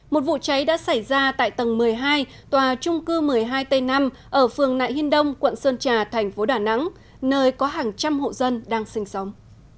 một vụ cháy đã xảy ra tại tầng một mươi hai tòa trung cư một mươi hai tây năm ở phường nại hiên đông quận sơn trà thành phố đà nẵng nơi có hàng trăm hộ dân đang sinh sống